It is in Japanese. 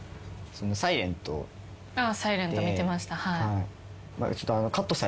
『ｓｉｌｅｎｔ』見てましたはい。